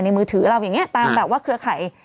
ในมือถือเราอย่างเงี้ยตามแบบว่าเครือไข